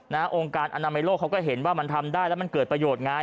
องค์การอนามัยโลกเขาก็เห็นว่ามันทำได้แล้วมันเกิดประโยชน์ไง